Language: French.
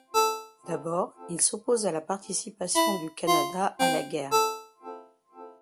D'abord, il s'oppose à la participation du Canada à la guerre.